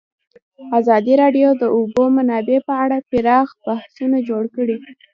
ازادي راډیو د د اوبو منابع په اړه پراخ بحثونه جوړ کړي.